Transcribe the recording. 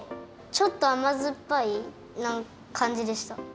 ちょっとあまずっぱいかんじでした。